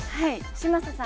嶋佐さん